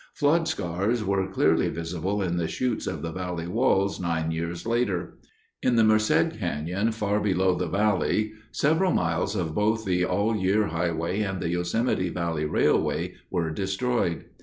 Flood scars were clearly visible in the chutes of the valley walls nine years later. In the Merced Canyon far below the valley several miles of both the All Year Highway and the Yosemite Valley Railway were destroyed.